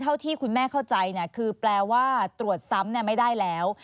ที่คุณแม่เข้าใจคือแปลว่าตรวจซ้ำไม่ได้แล้ว